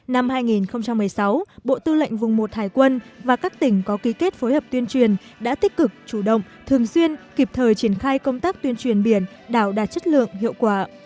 năm hai nghìn một mươi sáu bộ tư lệnh vùng một hải quân và các tỉnh có ký kết phối hợp tuyên truyền đã tích cực chủ động thường xuyên kịp thời triển khai công tác tuyên truyền biển đảo đạt chất lượng hiệu quả